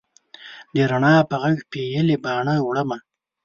د رڼا په ږغ پیلې باڼه وړمه